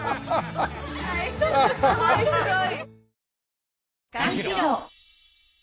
すごいすごい。